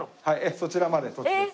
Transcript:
そちらまで土地です。